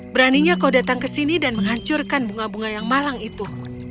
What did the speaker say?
beraninya kau datang ke sini dan menghancurkan bunga bunga yang malang itu